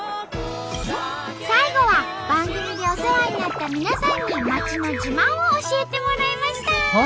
最後は番組でお世話になった皆さんに街の自慢を教えてもらいました。